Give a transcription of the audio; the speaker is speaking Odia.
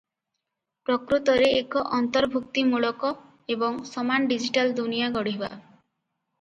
ପ୍ରକୃତରେ ଏକ ଅନ୍ତର୍ଭୁକ୍ତିମୂଳକ ଏବଂ ସମାନ ଡିଜିଟାଲ ଦୁନିଆ ଗଢ଼ିବା ।